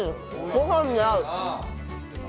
ご飯に合う。